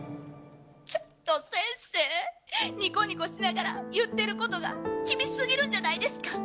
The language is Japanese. ちょっと先生ニコニコしながら言ってることが厳しすぎるんじゃないですか。